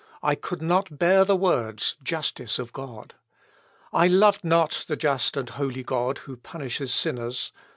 I could not bear the words, 'Justice of God.' I loved not the just and holy God who punishes sinners.